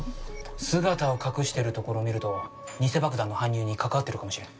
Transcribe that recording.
姿を隠してるところを見ると偽爆弾の搬入に関わってるかもしれん。